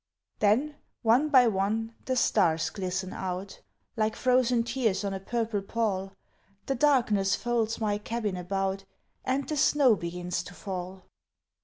Then, one by one, the stars glisten out Like frozen tears on a purple pall The darkness folds my cabin about And the snow begins to fall.